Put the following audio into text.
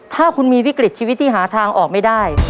ถ้าคุณมีวิกฤตชีวิตที่หาทางออกไม่ได้